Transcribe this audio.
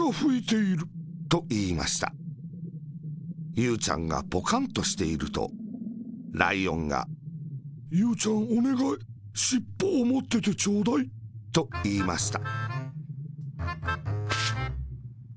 ゆうちゃんがポカンとしていると、ライオンが「ゆうちゃん、おねがいしっぽをもっててちょうだい。」といいました。